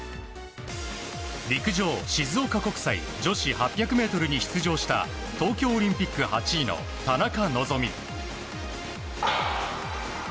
陸上、静岡国際女子８００ｍに出場した東京オリンピック８位の田中希実。